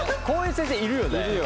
こういう先生いるよね。